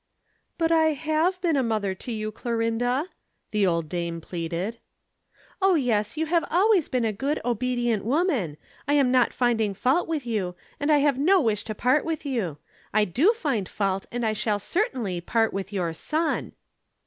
"But I have been a mother to you, Clorinda," the old dame pleaded. "Oh, yes, you have always been a good, obedient woman. I am not finding fault with you, and I have no wish to part with you. I do find fault and I shall certainly part with your son."